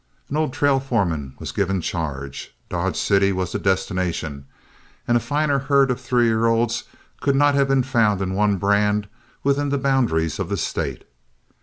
An old trail foreman was given charge, Dodge City was the destination, and a finer herd of three year olds could not have been found in one brand within the boundaries of the State.